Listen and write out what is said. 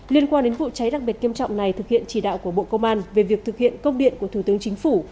liên quan đến vụ cháy đặc biệt nghiêm trọng này thực hiện chỉ đạo của bộ công an về việc thực hiện công điện của thủ tướng chính phủ